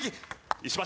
石橋。